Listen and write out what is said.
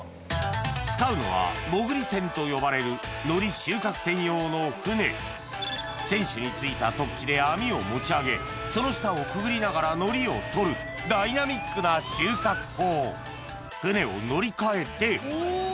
使うのはもぐり船と呼ばれる海苔収穫専用の船船首に付いた突起で網を持ち上げその下をくぐりながら海苔を取るダイナミックな収穫法船を乗り換えてお！